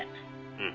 ☎うん。